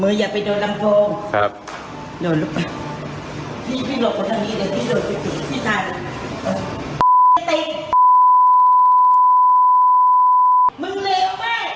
มึงเลวแม่มึงเป็นเครื่องกิจแกงกันเอาไปกิน